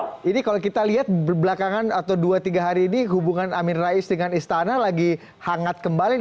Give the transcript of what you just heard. jadi kalau kita lihat belakangan atau dua tiga hari ini hubungan amin rais dengan istana lagi hangat kembali